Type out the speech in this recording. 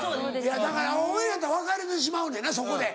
だから俺だったら別れてしまうねんなそこで。